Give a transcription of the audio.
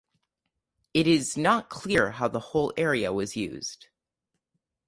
It is not clear how the whole area was used.